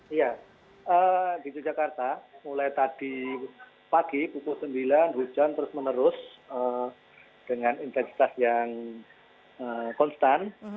iya di yogyakarta mulai tadi pagi pukul sembilan hujan terus menerus dengan intensitas yang konstan